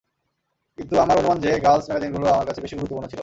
কিন্তু আমার অনুমান যে, গার্লস ম্যাগাজিনগুলো আমার কাছে বেশি গুরুত্বপূর্ণ ছিলো।